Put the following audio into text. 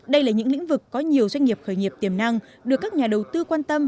đây là những lĩnh vực có nhiều doanh nghiệp khởi nghiệp tiềm năng được các nhà đầu tư quan tâm